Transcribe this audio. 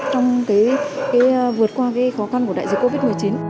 trong vượt qua khó khăn của đại dịch covid một mươi chín